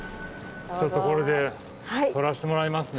ちょっとこれで撮らせてもらいますね。